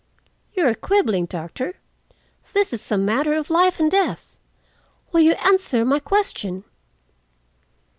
"You are quibbling, doctor. This is a matter of life and death. Will you answer my question?"